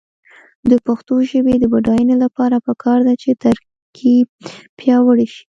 د پښتو ژبې د بډاینې لپاره پکار ده چې ترکیب پیاوړی شي.